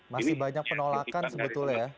masih banyak penolakan sebetulnya ya